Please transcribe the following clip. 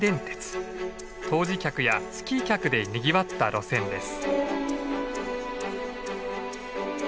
湯治客やスキー客でにぎわった路線です。